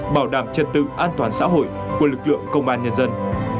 bảo đảm trật tự an toàn xã hội của lực lượng công an nhân dân